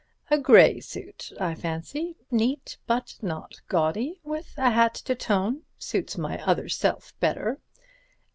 A grey suit, I fancy, neat but not gaudy, with a hat to tone, suits my other self better.